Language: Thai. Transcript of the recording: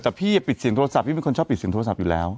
แต่พี่ปิดเสียงโทรศัพท์พี่เป็นคนชอบปิดเสียงโทรศัพท์อยู่แล้ว